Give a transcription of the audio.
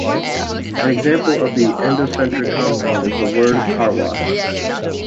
An example of an endocentric compound is the word "car-wash".